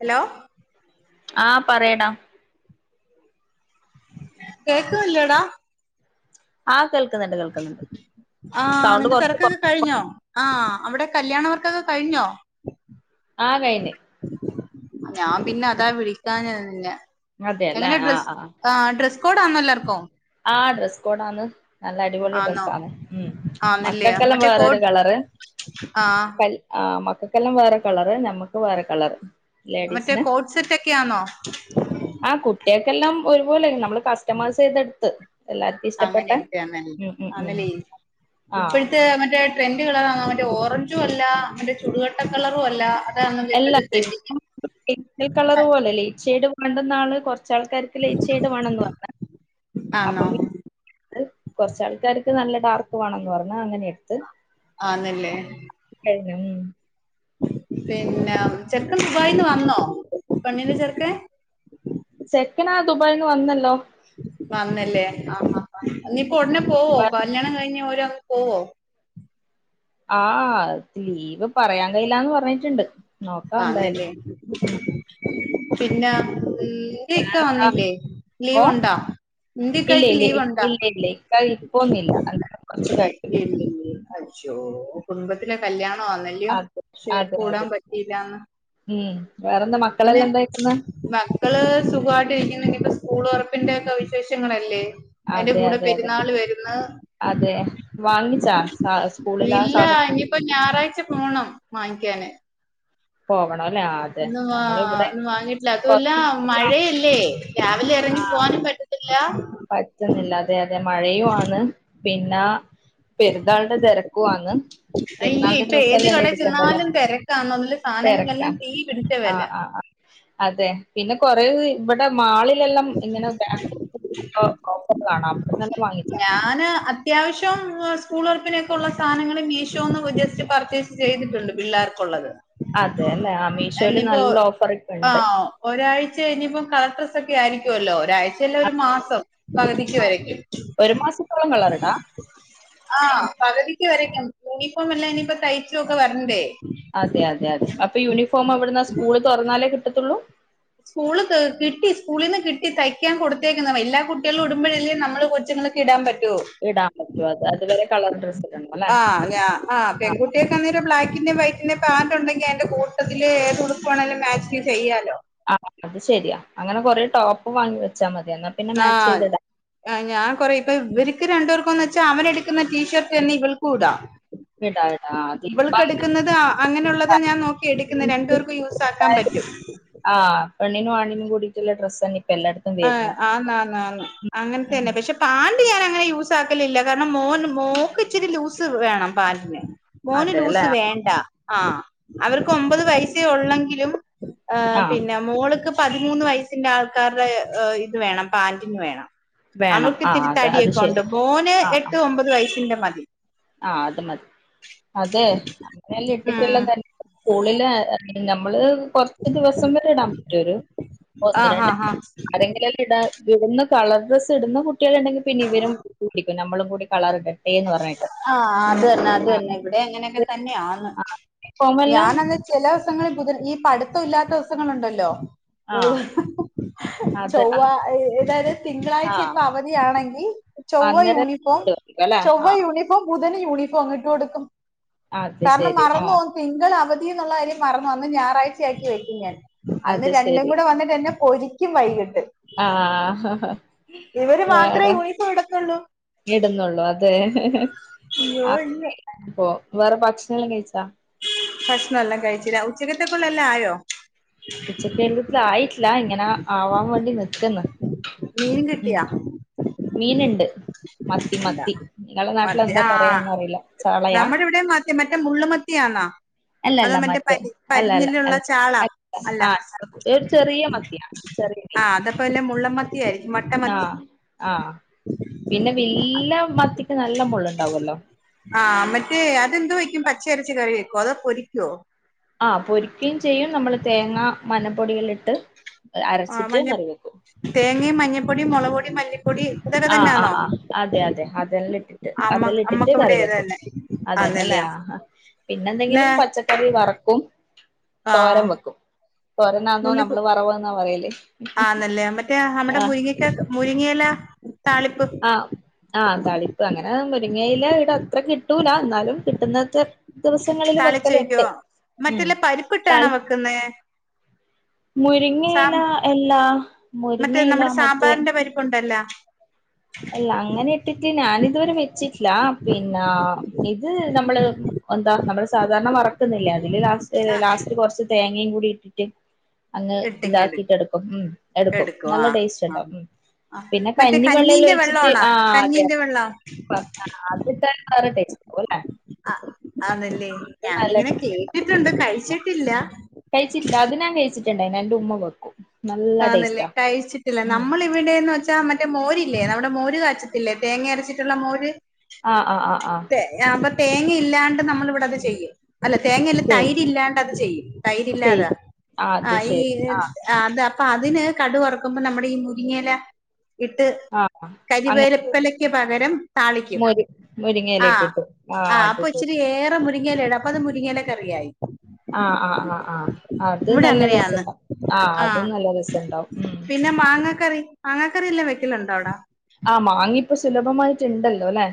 Hello ആഹ് പറയെടാ കേക്കുല്ല ടാ ആഹ് കേൾക്കുന്നുണ്ട് കേൾ ആഹ് നിന്റെ തെരക്കൊക്കെ കഴിഞ്ഞോ ആഹ് അവ്ടെ കല്യാണവർക്കൊക്കെ കഴിഞ്ഞോ ആഹ് കയിഞ്ഞ് ഞാം പിന്നെ അതാ വിളിക്കാഞ്ഞതന്നെ അതെല്ലേ ആഹ് ആഹ് ആഹ് ഡ്രസ് കോഡാന്നോ എല്ലാർക്കും ആഹ് ഡ്രസ് കോഡാന്ന് നല്ല അടിപൊളി ആന്നോ ഡ്രസ്സാണ്. ഉം ആന്നില്ലയോ മക്കക്കെല്ലാം മറ്റേ വേറൊരു കോട്ട് കളറ് ആഹ് ക ആഹ് മക്കക്കെല്ലാം വേറൊര് കളറ് ഞമ്മക്ക് വേറെ കളറ് മറ്റേ ലേഡീസിന് കോഡ് സെറ്റ് ഒക്കെയാണോ ആഹ് കുട്ടിയേക്കെല്ലാം ഒരുപോലെ നമ്മള് കസ്റ്റമൈസെയ്‌തെടുത്ത് അങ്ങനേട്ത് ആഹ് ന്നെൽ ഉം ആന്നല്ലേ ഇപ്പഴത്തേ ആഹ് മറ്റേ ട്രെൻഡ് കളറാന്നോ മറ്റേ ഓറഞ്ചും അല്ല മറ്റേ ചുടുകട്ട കളറും അല്ല അതാണല്ലോ എല്ലാം ഇപ്പോഴത്തെ ട്രെൻഡിങ് [unintelligible] പേസ്റ്റൽ കളറ് പോലെ ലൈറ്റ് ഷൈഡ് വേണ്ടന്നാണ് കൊറച്ചാൾക്കാര് ലൈറ്റ് ഷൈഡ് വേണംന്ന് പറഞ്ഞ്. ആന്നോ അപ്പം പി [unintelligible] കൊറച്ചാൾക്കാർക്ക് നല്ല ഡാർക്ക് വേണംന്ന് പറഞ്ഞു അങ്ങനേ എടുത്ത് ആന്നല്ലേ [unintelligible] പിന്നെ ചെക്കൻ ദുബായിന്ന് വന്നോ പെണ്ണിന്റെ ചെർക്കൻ ചെക്കൻ ആഹ് ദുബായിന്ന് വന്നല്ലോ വന്നല്ലേ ആഹ് ആഹ് ആഹ് ഇനിപ്പോ ഉടനെ പോവോ കല്യാണം കഴിഞ്ഞ് ഓരങ് പോവോ ആഹ് ആഹ് ലീവ് പറയാൻ കഴിയില്ലാന്ന് പറഞ്ഞിട്ടുണ്ട് നോക്കാം എന്തായാലും ആന്നല്ലേ ഉം പിന്നെ ഉം നിന്റെ ഇക്ക വേറെന്താ വന്നില്ലേ ഇപ്പൊ ലീവ്ണ്ടോ നിന്റിക്കായ്ക്ക് ലീവുണ്ടോ ഇല്ലേ ക്കാഹ് [unintelligible] അജ്ജോ കുടുംബത്തിലെ കല്യാണോന്നല്ലയോ അതെ ക്ഷെ അതെ കൂടാം അതെ പറ്റിയില്ലാന്ന് ഉം വേറെന്താ മക്കളെല്ലാം എന്തായിക്കുന്ന് ക്കള് സുഖമായിട്ട് ഇരിക്കുന്നു. ഇനിപ്പൊ സ്കൂള് ഉറപ്പിന്റെ ഒക്കെ വിശേഷങ്ങളല്ലേ അയ്‌ന്റെ അതെ കൂടെ അതെ അതെ പെരുന്നാള് വര് അതെ വാങ്ങിച്ചാ സാ സ്കൂളിലെ ആ ഇല്ല സാധനം ഇനിയിപ്പോ ഞായറാഴ്ച പോണം വാങ്ങിക്കാന് പോവണോല്ലെ ആഹ് ഒന്ന് വാ ഒന്നും വാങ്ങിട്ടില്ല അതുവല്ല കൊറച്ച് മഴയല്ലേ രാവിലെ ഇറങ്ങി പോആനും പറ്റത്തില്ല പറ്റുന്നില്ല അതെ അതെ മഴയും ആന്ന് പിന്നെ പെര്ന്നാളിന്റെ തെരക്കു അങ്ങ് അയ്യോ പെരുന്നാളിന്റെ ഇപ്പൊ ഏത് ഡ്രസ്സല്ലായിനി കടയിൽ എടുക്കണ്ടല്ലേ ചെന്നാലും തിരക്കാന്ന് അതില് തെരക്കാ സാധനങ്ങളെല്ലാം തീ പിടിച്ച വില ആഹ് ആഹ് ആഹ് അതെ പിന്നെ കൊറേ ഇവിടെ മാളിലെല്ലാം ഇങ്ങനെ ബാക്ക് [unintelligible] അവിടുന്നന്നെ വാങ്ങിച്ചാ മതി. ഞാന് അ ത്യാവശ്യം സ്കൂൾ തുറപ്പിനൊക്കെ ഉള്ള സാധനങ്ങള് മീഷോന്ന് ജസ്റ്റ് പർച്ചേസ് ചെയ്തിട്ടുണ്ട് പിള്ളേർക്കുള്ളത് അതെ അല്ലേ ആഹ് മീഷോല് ഇനിയിപ്പോ നല്ല ഓഫർ ഒക്കെ ആ ഉണ്ട് ഒരാഴ്ച ഇനിയിപ്പം കളർ ഡ്രസ്സ് ഒക്കെ ആയിരിക്കുവല്ലോ ഒരാഴ്ചല്ല ഒരു മാസം പകുതിക്ക് വരയ്ക്കും ഒരു മാസത്തോളം കളറിടാം ആഹ് പകുതിക്ക് വരേയ്ക്കും യൂണിഫോം എല്ലാം ഇനിയിപ്പോ തയ്ച്ചുവൊക്കെ വരണ്ടേ അതെ അതെ അതെ അപ്പൊ യൂണിഫോം എവിട് ന്നാ സ്കൂള് തുറന്നാലേ കിട്ടത്തുള്ളൂ സ്കൂള് കിട്ടി സ്കൂളിന്ന് കിട്ടി തയ്ക്കാൻ കൊടുത്തേക്കുന്ന് അപ്പൊ എല്ലാ കുട്ടികളും ഇടുമ്പോഴല്ലേ നമ്മള് കൊച്ചുങ്ങള് ഇടാൻ പറ്റോ ഇടാൻ പറ്റും അത് അത് വരെ കളർ ഡ്രസ് ആഹ് യാ ആഹ് പെൺകുട്ട്യാക്ക്‌ ക്കന്നേരം ബ്ലാക്കിന്റേം വൈറ്റിന്റേം പാന്റ് ഉണ്ടെങ്കി അതിന്റെ കൂട്ടത്തില്ഏത് ഉടുപ്പ് വേണെങ്കിലും മാച്ചിത്ചെയ്യാലോ ആഹ് അത് ശരിയാ അങ്ങനെ കൊറേ ടോപ്പ് വാങ്ങി വെച്ചാൽ മതി എന്ന ആഹ് ആഹ് ഞാൻ കുറെ ഇപ്പ ഇവർക്ക് രണ്ടുപേർക്കന്ന് വച്ചാ അവൻ എടുക്കുന്ന ടീ ഷർട്ട് തന്നെ ഇവൾക്കും ഇടാം ഇടാ ഇടാ അതിപ്പ ഇവൾക്ക് എടുക്കുന്നത് അങ്ങനെയുള്ളതാ ഞാൻ നോക്കി എടുക്കുന്നേ രണ്ടു പേർക്കും യൂസ് ആ- ക്കാൻ പറ്റും ആഹ് പെണ്ണിനും ആണിനും കൂടിട്ടുള്ള ഡ്രസ്സന്ന ഇപ്പ എല്ലായിടത്തും ആഹ് വരുന്നെ ആന്നാന്നാന്ന് അങ്ങനെത്തന്നെ പക്ഷെ പാന്റ് ഞാനങ്ങനെ യൂസ് ആക്കലില്ല കാരണം മോന് മോക്ക് ഇച്ചിരി ലൂസ് വേണം പാന്റിന് മോന് അതെല്ലേ ലൂസ് വേണ്ട ആഹ് അവർക്ക് ഒമ്പത് വയസ്സേ ഒള്ളെങ്കിലും ഏഹ് ആഹ് പിന്നെ മോൾക്ക് പതിമൂന്ന് വയസിന്റെ ആൾക്കാരുടെ ഏഹ് ഇത് വേണം പാന്റിന് വേണം വേണം അവക്ക് ആഹ് അത് അത് ഇത്തിരിതടിയൊക്കെ ഒണ്ട് ശരി മോന് ആഹ് ആഹ് എട്ട് ഒമ്പത് വയസ്സിന്റെ മതി ആഹ് അത് മതി അതെ അങ്ങനെല്ലാം ഉം ഇട്ടിട്ടല്ലാം തന്നെ സ്കൂളില് നമ്മള് കൊറ ച്ച് ദിവസം വരെ ഇടാൻ പറ്റും ഒരു ആ ഒന്ന് ആ രണ്ട് ആ ആരെങ്കിലും ഒക്കെ ഇടാ ഇടുന്ന കളർ ഡ്രസ്സ് ഇടുന്ന കുട്ടികളൊണ്ടെങ്കിൽ പിന്നെ ഇവരും ഇടൂല്ലേ പ്പ നമ്മളും കൂടി കളർടട്ടെ എന്ന് പറഞ്ഞിട്ട് ആഹ് അത് തന്നെ അത് തന്നെ ആഹ് ഇവിടേം അങ്ങനെയൊക്കെ തന്നെയാന്ന് ആ ബികോമെല്ലാം ഞാനത് ചെല ദിവസങ്ങളിൽ ബുധൻ ഈ പഠിത്തം ഇല്ലാത്ത ദിവസങ്ങളുണ്ടല്ലോ ആ ഊ- അത് ചൊവ്വ അതായത് ആ തിങ്കളാഴ്ചയൊക്കെ അവധിയാണെങ്കിൽ ചൊവ്വ അന്നേരം യൂണിഫോം കിട്ടുമായിരിക്കും അല്ലെ ചൊവ്വ ആ യൂണിഫോം ബുധന് യൂണിഫോം ഇട്ട് കൊടുക്കും അത് കാരണം ശരി ആ മറന്ന്പോന്ന് തിങ്കൾ അവധി എന്നുള്ള കാര്യം മറന്നു അന്ന് ഞായറാഴ്ചയാക്കി വെക്കും ഞാൻ അന്ന് അത് രണ്ടും ശരി കൂടെ വന്നിട്ടന്നെ പൊരിക്കും വൈകിട്ട് ആ ഇവര് മാത്രേ യൂണിഫോം ഇട്ത്തൊള്ളൂ ഇടുന്നുള്ളു അതെ അയ്യോ അയ്യോ ആഹ് പ്പൊ വേറെ ഭക്ഷണല്ലാം കഴിച്ചാ ഭക്ഷണല്ലാം കഴിച്ചിന് ഉച്ചക്കത്തെക്കുള്ളെല്ലാം ആയോ ഉച്ചക്കേൽത്തിലെ ആയിട്ടില്ല ഇങ്ങനെ ആവാൻ വേണ്ടി നിക്കുന്ന് മീൻ കിട്ടിയാ? മീന്ണ്ട് മത്തി എന്താ മത്തി നിങ്ങളെ നാട്ടിൽ മത്തി എന്താ ആ പറയാന്നറിയില്ല ചാളയാ നമ്മുടെ ഇവിടെ മത്തി മറ്റേ മുള്ള മത്ത് [unintelligible] അല്ലല്ല മറ്റേ അല്ല അല്ല അൽ ചാളാ അല്ല ആഹ് [unintelligible] ഒരു ചെറിയ മത്തിയാ ചെറിയ മീൻ അപ്പല്ലെ മുള്ളൻ മത്തിയാരി ആഹ് ആഹ് പിന്നെ വെല്യ മത്തിക്ക് നല്ല മൂള്ളുണ്ടാവുല്ലോ ആഹ് മറ്റേ അതെന്ത് വെക്കും പച്ചയരച്ച് കറി വെക്കോ അതോ പൊരിക്കൊ ആഹ് പൊരിക്കേം ചെയ്യും നമ്മള് തേങ്ങ മഞ്ഞപ്പൊടികളിട്ട് അരച്ചിട്ട് കറി വെക്കും തേങ്ങേം മഞ്ഞൾപ്പൊടിം മൊളക് പൊ ആഹ് ആഹ് ആഹ് അതെ അതെ അതെല്ലാം ഇട്ടിട്ട് അമ്മ അതെല്ലാം ഇട്ടിട്ട് അമ്മക്കിവിടെ കറി ഇത് വെക്കും തന്നെ അതന്ന ല്ലേ ആന്നല്ലയോ ആഹ് പിന്നെ പിന്നെന്തെങ്കിലും പച്ചക്കറി വറുക്കും ആ തോരൻ വെക്കും തോരൻ ആന്നോ നുള്ളി നമ്മള് കു- വറവ് എന്നാ പറയല് ആന്നല്ലേ മറ്റേ നമ്മുടെ ആഹ് മുരിങ്ങക്ക മുരിങ്ങയില താളിപ്പ് ആഹ് ആഹ് താളിപ്പ് അങ്ങനെ മുരിങ്ങയില ഇവിട അത്ര കിട്ടൂല എന്നാലും കിട്ടുന്നത്ര ദിവസങ്ങളില് താളിച്ച് വെക്കോ വെക്കലുണ്ട് ഉം മറ്റല്ല പരിപ്പിട്ടാണോ താളി വെക്കുന്നേ മുരിങ്ങ സാ ഇല എല്ലാ മുരിങ്ങ മറ്റേ ഇല നമ്മുടെ മറ്റേ സാമ്പാറിന്റെ [unintelligible] അല്ല അങ്ങനെ ഇട്ടിട്ട് ഞാനിതു വരെ വെ ച്ചിട്ടില്ലാ പിന്ന ഇത് നമ്മള് എന്താ നമ്മള് സാധാരണ വറ ക്കുന്നില്ലേ അതില് ലാസ്റ്റ് ലാസ്റ്റ് കൊറച്ച് തേങ്ങയും കൂടി ഇട്ടിട്ട് അങ്ങ് ഇട്ടിങ് എടു ഇതാക്കീട്ട് എടുക്കും ഉം എടുക്കും ആ നല്ല ടേസ്റ്റ് ആ ഉണ്ടാവും ഉം ആ പിന്നെ മറ്റേ കഞ്ഞി വെള്ളേല്ലാം കഞ്ഞീന്റെ ഒഴിച്ചിട്ട് വെള്ളമാണോ ആഹ് അതെ കഞ്ഞീന്റെ വെള്ളം [unintelligible] [unintelligible] ആഹ് ആന്നല്ലേ അല്ലേ അത് നല്ല ഞാനിങ്ങനെ ടേസ്റ്റ് ഉണ്ടാവും കേട്ടിട്ടുണ്ട് കഴിച്ചിട്ടില്ല കഴിച്ചിട്ടില്ല അത് ഞാൻ കഴിച്ചിട്ടുണ്ടായിനു എന്റെ ഉമ്മ വെക്കും നല്ല ആന്നല്ലേ ടേസ്റ്റാ കഴിച്ചിട്ടില്ല ഉം നമ്മളി വിടേന്ന് വെച്ചാൽ മറ്റേ മോരില്ലേ നമ്മുടെ മോര് കാച്ചത്തില്ലേ തേങ്ങ അരച്ചിട്ടുള്ള മോര് ആഹ് ആഹ് ആഹ് ആഹ് തേ അപ്പൊ തേങ്ങ ഇല്ലാണ്ട് നമ്മള് ഇവിടെ അത് ചെയ്യും അല്ല തേങ്ങല്ല ശരി തൈര് ഇല്ലാണ്ട് അത് ചെയ്യും ശരി തൈരില്ലാത ആ അത് ആഹ് ഈ ശരി ആ ആഹ് അത് അപ്പൊ അതിന് കടു വറുക്കുമ്പോ നമ്മുടെ ഈ മുരിങ്ങയില ഇട്ട് ആഹ് അങ്ങനെ കരിവേലപ്പിലക്ക് പകരം താളിക്കും മൊരി മുരിങ്ങയില ആഹ് ഇട്ടിട്ട് ആഹ് അത് [unintelligible] [unintelligible] ഏറെ മുരിങ്ങേല ഇടും അപ്പൊ അത് മുരിങ്ങേല കറിയായി ആഹ് ആഹ് ആഹ് ആഹ് അത് ഇവിടെ നല്ല അങ്ങനെയാന്ന് രസണ്ട ആഹ് ആ അതും നല്ലൊരു പിന്നെ മാങ്ങ കറി മാങ്ങ ക്കറി എല്ലാം വെക്കലുണ്ടോ അവിടാ? ആഹ് മാങ്ങയിപ്പോ സുലഭമായിട്ട്ണ്ടല്ലോ ല്ലെ?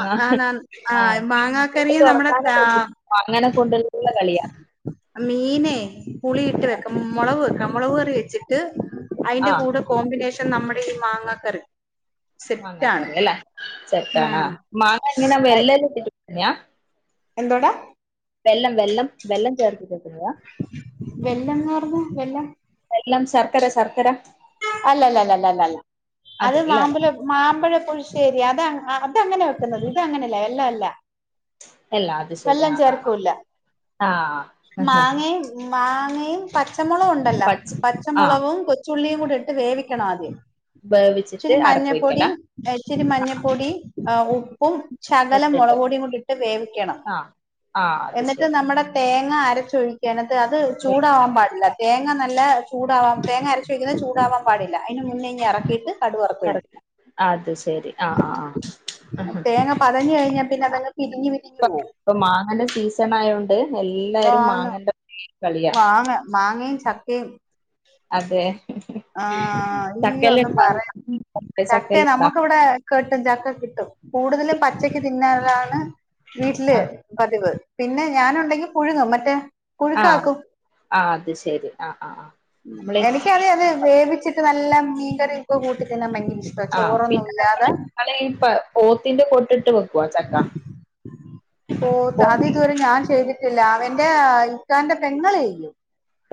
ആ ആന്നാന്ന് ആ ആഹ് മാങ്ങാക്കറിയും നമ്മുടെ [unintelligible] ത- മങ്ങേന കൊണ്ടുള്ള കളിയാ മീനേ പുളിയിട്ട് വെക്കും മൊളക് വെക്കും മൊളക് കറി വെച്ചി ട്ട് അയിന്റെ ആഹ് കൂടെ കോമ്പിനേഷൻ നമ്മുടെ ഈ മാങ്ങാ കറി മാങ്ങാക്കറിയല്ലേ ചെറ്താണാ ഉം മാങ്ങ ഇങ്ങനെ [unintelligible] എന്തോടാ വെല്ലം വെല്ലം വെല്ലം [unintelligible] വെല്ലംന്ന് പറഞ്ഞ വെല്ലം വെല്ലം ശർക്കര ശർക്കര അല്ലല്ല ല്ല ല്ല ല്ലല്ല അത് അതല്ലല്ല മാമ്പല് മാമ്പഴ പുളിശ്ശേരി അത [unintelligible] ക്കങ്ങനെ വെക്കുന്നത് ഇത് അങ്ങനല്ല എല്ല എല്ല അല്ല അത് ശരി വെള്ളം ആഹ് ആഹ് ചേർക്കൂല്ല ആഹ് ആഹ് മാങ്ങേം മാങ്ങേം പച്ചമൊളകുണ്ടല്ലോ പച്ച ആഹ് പച്ചമുളവും കൊ ച്ചുള്ളിം കൂടി ട്ട് വേവിക്കണാദ്യം. വേവിച്ചിട്ട് ഇച്ചിരി അരപ്പൊഴിക്കലാ മഞ്ഞപ്പൊടിം എഹ് ഇച്ചിരി മഞ്ഞപ്പൊടിം ആഹ് ഉപ്പും ശകലം തൊട്ടിട്ട് മൊളക്പൊടിയും കൂടി ട്ട് വേവിക്കണം ആഹ് ആഹ് അത് എന്നിട്ട് ശരി നമ്മടെ തേങ്ങ അരച്ചൊഴിക്ക എന്നിട്ട് അത് ചൂടാവാൻ പാടില്ല തേങ്ങ നല്ല ചൂടാവാ തേങ്ങ അര ച്ചൊഴ്‌ക്ക്ന്നെ ചൂടാവാൻ പാടില്ല അയ്ന് മുന്നയ്നെ എറക്കിട്ട് എറ അത് ശെരി ആഹ് ആഹ് ആഹ് തേങ്ങ പതഞ്ഞ് കഴിഞ്ഞാ പിന്നെ അതങ്ങ് പിരിഞ്ഞ് പിരിഞ്ഞ് ഇപ്പ പോവും. ഇപ്പൊ മാങ്ങന്റെ സീസണായൊണ്ട് എല്ലാരും വാങ്ങ മാങ്ങന്റെ [unintelligible] കളിയാ മാങ്ങ മാങ്ങേം ച ക്കിം അതെ ആഹ് ഈയൊന്നും ചക്കല്ലുണ്ടാ പറയാ ചക്കെ ചക്കല്ലുണ്ടാ നമ്മക്ക്‌ വടെ ക്ക്ട്ടും ചക്ക കിട്ടും കൂടുതലും പച്ചക്ക് തിന്നാലാണ് വീട്ടില് ആഹ് പതിവ് പിന്നെ ഞാനുണ്ടെങ്കി പുഴുങ്ങും മറ്റേ ആഹ് പുഴുക്കാക്കും അത് ശരി ആഹ് ആഹ് ആഹ് നമ്മളീ ക്ക്യറിയാ അത് വേവിച്ച്ട്ട് നല്ല മീൻകറ്യൊക്കെ കൂട്ടിതിന്ന ഭയങ്കരിഷ്ട ചോറൊന്നുല്ലാതെ അല്ലങ്കി പൊ പോത്തിന്റെ കൊട്ടിട്ട് വെക്ക്വോ ചക്ക? പോത്ത് പോ അത് ഇത് വരെ ഞാൻ ചെയ്തിട്ടില്ല അവന്റെ ഇക്കാന്റെ പെങ്ങളെയ്യും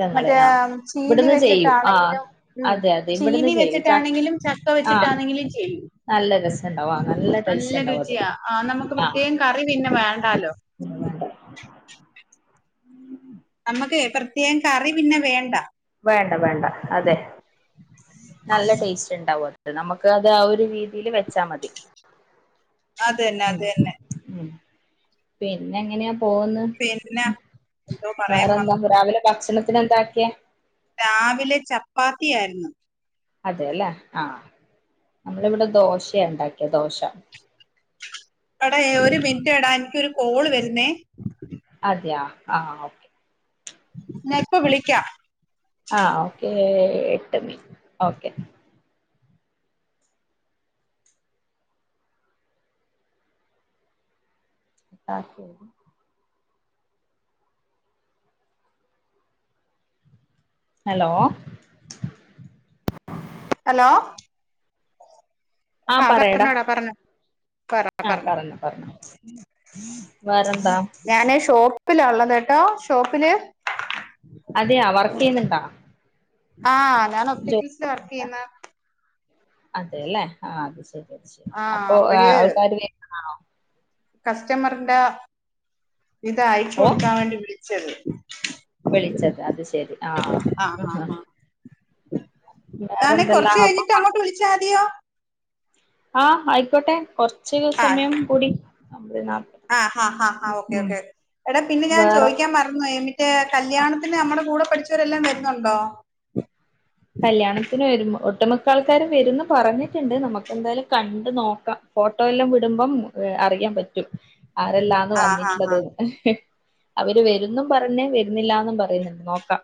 ങ്ങള് ആ മറ്റേം ചീനി ഇവിടുന്ന് ചെയ്യും ആ വെച്ച്ട്ടാണെങ്കിലും ഉം അതെ അതെ ഇവിടുന്ന് ചീനി ചെയ്യും ച വെച്ച്ട്ടാണെങ്കിലും ച ക്ക ആ വെച്ച്ട്ടാണെങ്കിലും ചെയ്യും. നല്ല രസണ്ടാ നല്ല രുചിയാ ആഹ് നമക്ക് ആ പ്രത്യേകം കറി പിന്നെ വേണ്ടാലോ [unintelligible] നമക്ക് പ്രത്യേകം കറി പിന്നെ വേണ്ട വേണ്ട വേണ്ട അതെ നല്ല ടേസ്റ്റ് ണ്ടാവും [unintelligible] നമക്കത് ആ ഒര് രീതില് വെച്ചാ മതി ഉം അതെന്നതെന്നെ ഉം പിന്നെ ങ്ങന്യാ പോവുന്ന്? പിന്നെ ഉം എന്തോ പറയാൻ വേറെന്താ വന്നു രാവിലെ ഭക്ഷണത്തിനെന്താക്ക്യേ? രാവിലെ ചപ്പാത്തിയാര്ന്ന്. അതെല്ലേ ആഹ് നമ്മള് വ്ടെ ദോശണ്ടാക്ക്യേ ദോശ എടാ ഒരു മിൻറ്റെടാ ഇൻക്കൊര് കോൾ വെര്ന്നേ. അതെ യാ ആഹ് ഞാ ഇപ്പ വിളിക്കാ ആഹ് ഓക്കേ എട്ടണി ഓക്കെ ഓക്കേ ഹലോ അലോ ആഹ് പറയടാ പറഞ്ഞോടാ പറഞ്ഞോ ആഹ് പറഞ്ഞോ പറഞ്ഞോ വേറെന്താ ഞാനേ ഷോപ്പിലാ ള്ളത്ട്ടോ ഷോപ്പില് അതെയ വർക്കെയ്യ്ന്ന്ണ്ട? ആഹ് ഞാന് ഒപ്റ്റിക്കൽസിലാ വർക്ക് ചെയ്യുന്നുണ്ടാ യ്യുന്ന അതെല്ലേ ആഹ് അത് ശരി അത് ശരി ആ അപ്പൊ അപ്പഴ് ആൾക്കാാര് വെര്ന്നതാണോ കസ്റ്റമറിന്റെ ഇത് അയച്ചു ഓ കൊടുക്കാ വേണ്ടി വിളിച്ചത് വിളിച്ചത് അത് ശരി ആഹ് ആ ആ ആഹ് ആ വേറെന്തല്ല അപ്പ ട്ട് അങ്ങോട്ട്‌വിളിച്ചതിയോ ആഹ് ആയിക്കോട്ടെ കൊറച്ച് സമയം കൂടി അമ്പേ നാ ആഹ് ആഹ് ആഹ് ഓക്കെ ഉം ഓക്കെ എടാ പിന്നെ ഞാൻ വേറെ ചോയ്ക്കാൻ മറ ന്നോയ് മറ്റേ കല്യാണത്തിന് നമ്മടെ കൂടെ പഠിച്ചവരെല്ലാം വരുന്നുണ്ടോ? കല്യാണത്തിന് വരു ഒട്ടുമിക്കാൾക്കാരും വരുന്നു പറഞ്ഞിട്ടുണ്ട് നമുക്ക്ന്തായാലും കണ്ട് നോക്കാം ഫോട്ടോയല്ലാം വിടുമ്പം അറിയാൻ പറ്റും ആരെല്ലാം ത് ആ ആ ആ വന്നിട്ടുള്ളത് അവര് വരുന്നും പറഞ്ഞേ വരുന്നില്ലന്നും പറയുന്നുണ്ട് നോക്കാം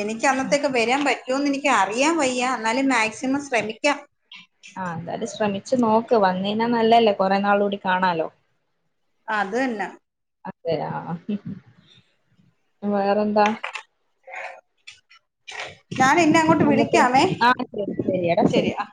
എനിക്ക് അന്നത്തേക്ക് വരാൻ പറ്റൊന്ന് എനിക്ക് അറിയാൻ വയ്യ എന്നാലും മാക്സിമം ശ്രമിക്കാം. ആഹ് എന്തായാലും ശ്രമിച്ചു നോക്ക് വന്നേനാ നല്ലല്ലേ കൊറെ നാൾ കൂടി കാണാലോ അതന്നെ അതെ [unintelligible] വേറെന്താ ഞാനി ന്ന നല്ല പെ ആഹ് ശ ശരി ടാ ശരി ശരിയാ